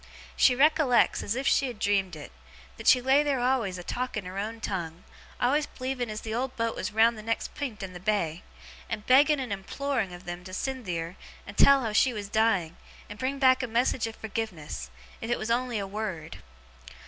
She recollects, as if she had dreamed it, that she lay there always a talking her own tongue, always believing as the old boat was round the next pint in the bay, and begging and imploring of 'em to send theer and tell how she was dying, and bring back a message of forgiveness, if it was on'y a wured.